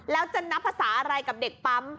แล้วจะนับภาษาอะไรกับเด็กปั๊ม